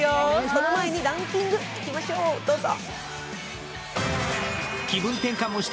その前にランキングいきましょう、どうぞ。